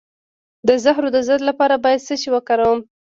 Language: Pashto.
د زهرو د ضد لپاره باید څه شی وکاروم؟